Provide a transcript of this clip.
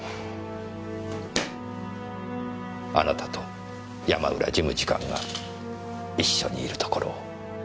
あなたと山浦事務次官が一緒にいるところを。